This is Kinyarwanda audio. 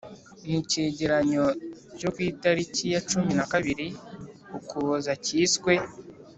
mu cyegeranyo cyo ku itariki ya cumi nakabiri ukuboza cyiswe